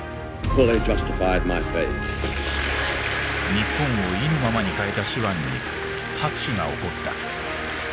日本を意のままに変えた手腕に拍手が起こった。